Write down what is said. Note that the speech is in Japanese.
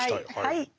はい。